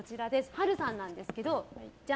波瑠さんなんですけど。